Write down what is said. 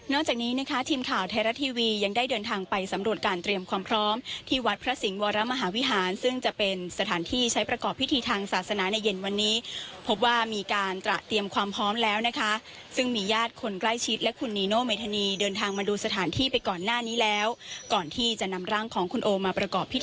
จากนี้นะคะทีมข่าวไทยรัฐทีวียังได้เดินทางไปสำรวจการเตรียมความพร้อมที่วัดพระสิงห์วรมหาวิหารซึ่งจะเป็นสถานที่ใช้ประกอบพิธีทางศาสนาในเย็นวันนี้พบว่ามีการตระเตรียมความพร้อมแล้วนะคะซึ่งมีญาติคนใกล้ชิดและคุณนีโนเมธานีเดินทางมาดูสถานที่ไปก่อนหน้านี้แล้วก่อนที่จะนำร่างของคุณโอมาประกอบพิ